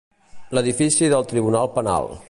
L'edifici del Tribunal Penal.